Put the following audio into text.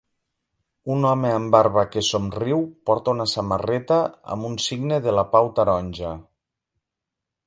Un home amb barba que somriu porta una samarreta amb un signe de la pau taronja